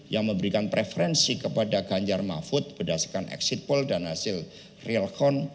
yang memberikan preferensi kepada ganjar mahfud berdasarkan exit poll dan hasil real con